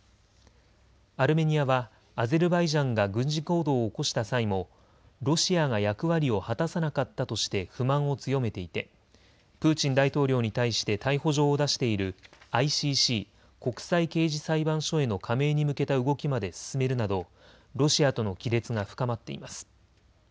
アルメニアはアゼルバイジャンが軍事行動を起こした際もロシアが役割を果たさなかったとして不満を強めていてプーチン大統領に対して逮捕状を出しているＩＣＣ・国際刑事裁判所への加盟に向けた動きまで進めるなどロシアとの亀裂が深まっています。